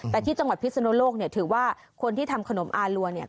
แต่ที่จังหวัดพิศนุโลกเนี่ยถือว่าคนที่ทำขนมอารัวเนี่ย